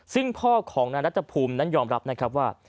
ซึ่งพ่อของนางรัฐภูมินั้นยอมรับว่า